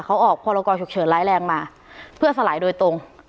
เขาออกพรกรฉุกเฉินร้ายแรงมาเพื่อสลายโดยตรง